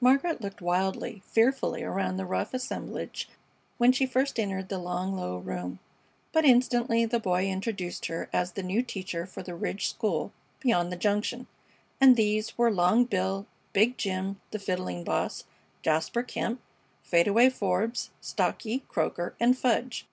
Margaret looked wildly, fearfully, around the rough assemblage when she first entered the long, low room, but instantly the boy introduced her as "the new teacher for the Ridge School beyond the Junction," and these were Long Bill, Big Jim, the Fiddling Boss, Jasper Kemp, Fade away Forbes, Stocky, Croaker, and Fudge.